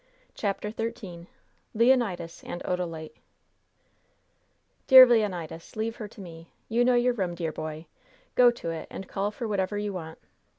CHAPTER XIII LEONIDAS AND ODALITE "Dear Leonidas, leave her to me. You know your room, dear boy! Go to it and call for whatever you want.